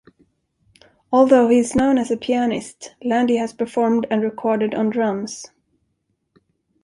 Although he is known as a pianist, Lande has performed and recorded on drums.